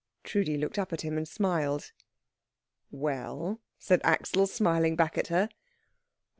Trudi looked up at him and smiled. "Well?" said Axel, smiling back at her.